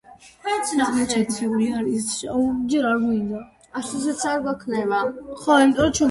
მთაწმინდა ჩაფიქრებულა, შეჰყურებს ცისკრის ვარსკვლავსა.